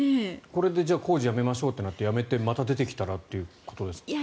これで工事やめましょうって言ってまた出てきたらということですかね。